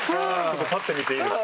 立ってみていいですか？